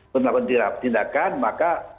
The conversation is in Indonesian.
pun lakukan tindakan maka